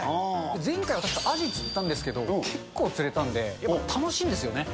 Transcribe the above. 前回私、あじ釣ったんですけど、結構釣れたんで、楽しいんですよね。